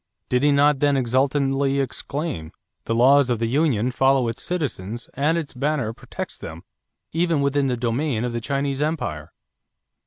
Did he not then exultantly exclaim: "The laws of the Union follow its citizens and its banner protects them even within the domain of the Chinese Empire"?